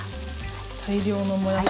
大量のもやし。